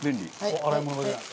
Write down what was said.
洗い物が出ない。